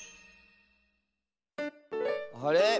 あれ？